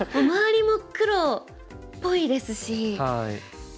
周りも黒っぽいですし。